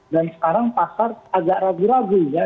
dan sekarang pasar agak ragu ragu ya